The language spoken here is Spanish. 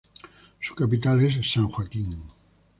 Su capital es San Joaquín.